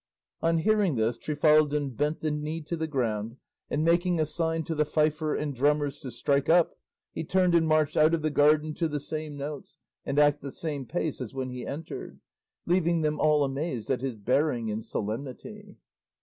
On hearing this Trifaldin bent the knee to the ground, and making a sign to the fifer and drummers to strike up, he turned and marched out of the garden to the same notes and at the same pace as when he entered, leaving them all amazed at his bearing and solemnity.